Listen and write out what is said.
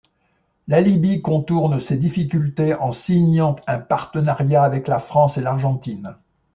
La Libye contourne ces difficultés en signant un partenariat avec la France et l'Argentine.